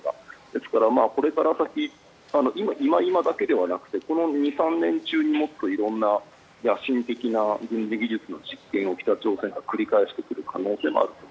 ですから、これから先今だけではなくてこの２３年中にもっと色んな、野心的な軍事技術の実験を北朝鮮が繰り返してくる可能性もあると。